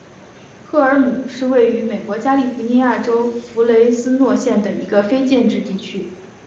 赫尔姆是位于美国加利福尼亚州弗雷斯诺县的一个非建制地区。